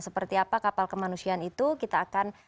seperti apa kapal kemanusiaan itu kita akan jeda sejenak